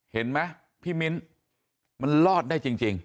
เห็นไหมพี่มิ้นมันรอดได้จริง